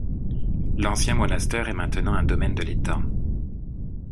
L'ancien monastère est maintenant un domaine de l'État.